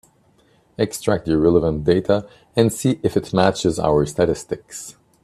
Extract the relevant data and see if it matches our statistics.